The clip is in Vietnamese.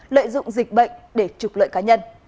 lợi dụng dịch bệnh để trục lợi cá nhân